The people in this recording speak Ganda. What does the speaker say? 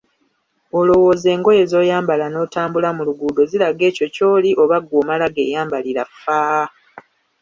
Olowooza engoye z‘oyambala n‘otambula mu luguudo ziraga ekyo ky‘oli oba ggwe omala geyambalira faa?